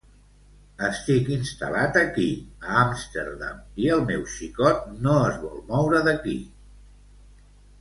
Estic instal·lat aquí, a Amsterdam, i el meu xicot no es vol moure d'aquí.